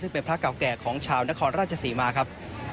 ซึ่งเป็นพระเก่าแก่ของชาวนครราชศรีมาครับ